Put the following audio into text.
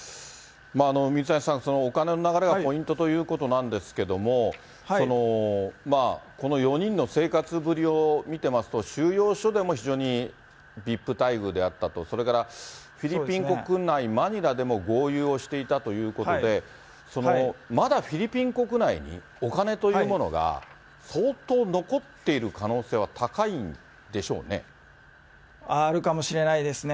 水谷さん、お金の流れがポイントということなんですけれども、この４人の生活ぶりを見てますと、収容所でも非常にＶＩＰ待遇であったと、それからフィリピン国内、マニラでも豪遊をしていたということで、まだフィリピン国内にお金というものが相当残っている可能性は高あるかもしれないですね。